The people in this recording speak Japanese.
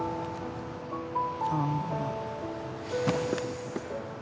ああ。